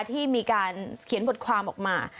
ที่มีการเขียนบทความออกมา